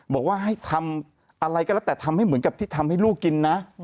บอกว่าให้ทำอะไรก็แล้วแต่ทำให้เหมือนกับที่ทำให้ลูกกินนะ